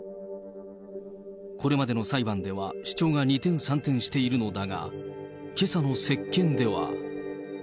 これまでの裁判では主張が二転三転しているのだが、けさの接見では。